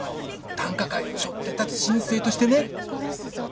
短歌界をしょって立つ新星としてね。